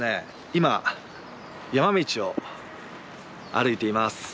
今山道を歩いています